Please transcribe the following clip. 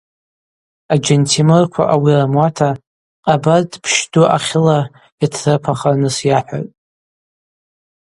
Аджьантемырква ауи рымуата Къабардпщ Ду ахьыла йатдрыпахырныс йахӏватӏ.